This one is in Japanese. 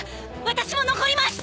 私も残ります！